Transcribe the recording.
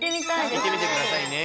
行ってみてくださいね。